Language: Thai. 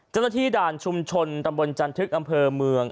เจ้าหน้าที่ด่านชุมชนตำบลจันทึกอำเภอเมือง